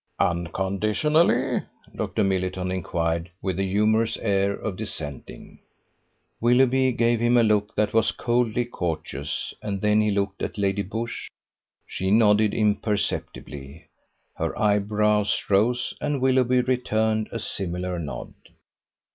"Unconditionally?" Dr. Middleton inquired, with a humourous air of dissenting. Willoughby gave him a look that was coldly courteous, and then he looked at Lady Busshe. She nodded imperceptibly. Her eyebrows rose, and Willoughby returned a similar nod.